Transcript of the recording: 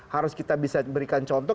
harus kita bisa berikan contoh